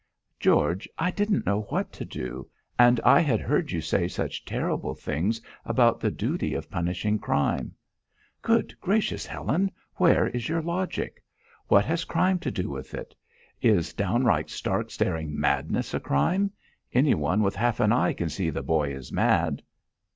"George, I didn't know what to do. And I had heard you say such terrible things about the duty of punishing crime." "Good gracious, Helen! where is your logic? What has crime to do with it! Is down right stark staring madness a crime? Anyone with half an eye can see the boy is mad!"